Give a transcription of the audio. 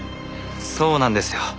そうなんですよ。